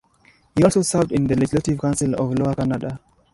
He also served in the Legislative Council of Lower Canada.